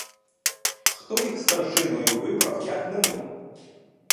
Хто їх старшиною вибрав, як не ми.